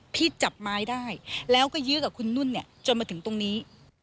จับไม้ได้แล้วก็ยื้อกับคุณนุ่นเนี่ยจนมาถึงตรงนี้